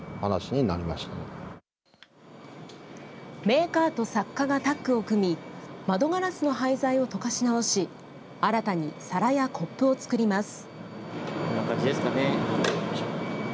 メーカーと作家がタッグを組み窓ガラスの廃材を溶かし直し新たに皿やコップを作ります。